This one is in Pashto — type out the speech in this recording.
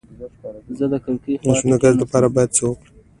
د ماشوم د ګاز لپاره باید څه وکړم؟